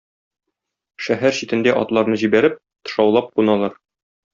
Шәһәр читендә атларны җибәреп, тышаулап куналар.